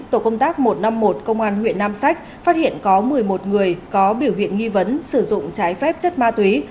tổ công tác một trăm năm mươi một công an huyện nam sách phát hiện có một mươi một người có biểu hiện nghi vấn sử dụng trái phép chất ma túy